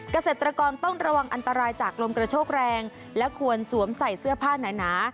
เกษตรกรต้องระวังอันตรายจากลมกระโชกแรงและควรสวมใส่เสื้อผ้าหนา